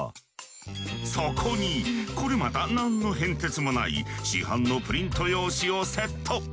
そこにこれまた何の変哲もない市販のプリント用紙をセット。